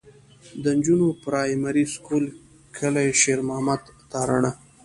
د نجونو پرائمري سکول کلي شېر محمد تارڼ.